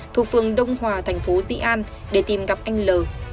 thu phương đông hòa thành phố dĩ an để tìm gặp anh l